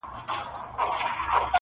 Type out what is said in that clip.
• سړي وویل زما هغه ورځ یادیږي -